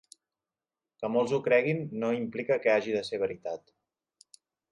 Que molts ho creguin no implica que hagi de ser veritat.